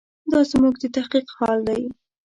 دا زموږ د تحقیق حال دی.